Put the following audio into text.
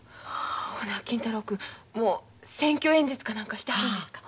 ほな金太郎君もう選挙演説か何かしてはるんですか？